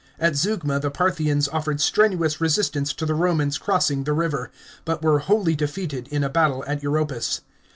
At Zeugma the Parthians offered strenuous resistance to the Romans crossing the river, but were wholly defeated in a battle at Europus.